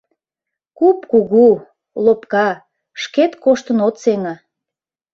Куп кугу, лопка, шкет коштын от сеҥе.